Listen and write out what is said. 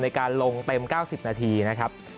ในการลงเต็ม๙๐นนะครับ